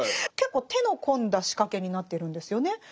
結構手の込んだ仕掛けになってるんですよね。